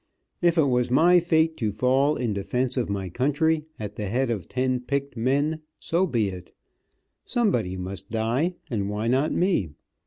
If it was my fate to fall in defence of my country, at the head of ten picked men, so be it. Somebody must die, and why not me.